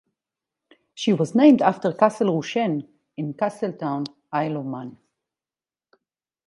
She was named after Castle Rushen in Castletown, Isle of Man.